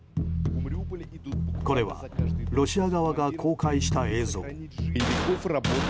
これはロシア側が公開した映像。